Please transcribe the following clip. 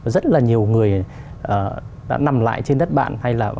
rất là nhiều người đã nằm lại trên đất bạn